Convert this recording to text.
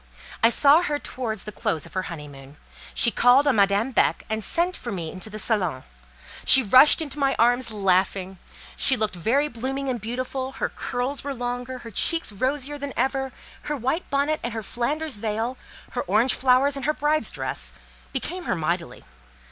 I saw her towards the close of her honeymoon. She called on Madame Beck, and sent for me into the salon. She rushed into my arms laughing. She looked very blooming and beautiful: her curls were longer, her cheeks rosier than ever: her white bonnet and her Flanders veil, her orange flowers and her bride's dress, became her mightily.